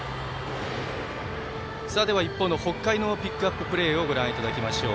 一方の北海のピックアッププレーをご覧いただきましょう。